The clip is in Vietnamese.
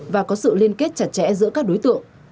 và có sự liên kết chặt chẽ giữa các đối tượng